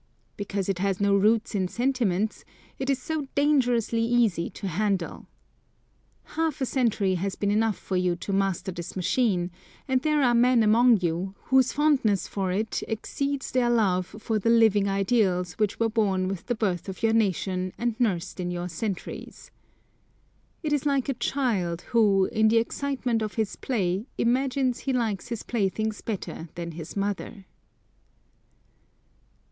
Because it has no roots in sentiments, it is so dangerously easy to handle. Half a century has been enough for you to master this machine; and there are men among you, whose fondness for it exceeds their love for the living ideals which were born with the birth of your nation and nursed in your centuries. It is like a child, who, in the excitement of his play, imagines he likes his playthings better than his mother.